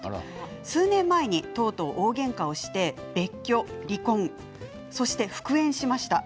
数年前にとうとう大げんかして別居、離婚そして復縁しました。